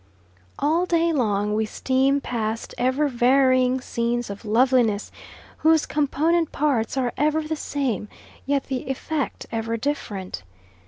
All day long we steam past ever varying scenes of loveliness whose component parts are ever the same, yet the effect ever different.